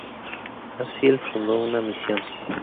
Hadfield fundó una misión.